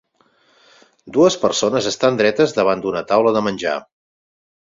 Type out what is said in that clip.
Dues persones estan dretes davant d'una taula de menjar.